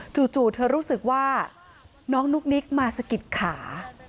จู่เธอรู้สึกว่าน้องนุ๊กนิกมาสะกิดขา